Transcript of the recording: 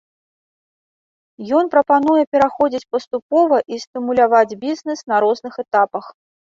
Ён прапануе пераходзіць паступова і стымуляваць бізнес на розных этапах.